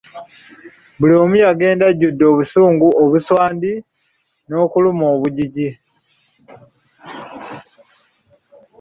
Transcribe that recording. Buli omu yagenda ajjudde obusungu, obuswandi n’okuluma obujiji.